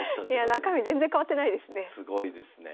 中身全然変わってないですね。